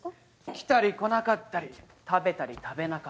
来たり来なかったり食べたり食べなかったり。